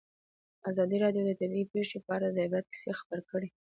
ازادي راډیو د طبیعي پېښې په اړه د عبرت کیسې خبر کړي.